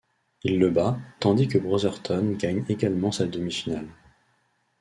Il le bat, tandis que Brotherton gagne également sa demi-finale.